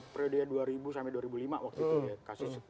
periode dua ribu sampai dua ribu lima waktu itu ya kasus sepuluh